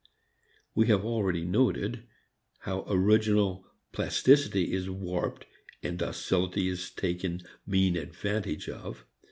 We have already noted how original plasticity is warped and docility is taken mean advantage of.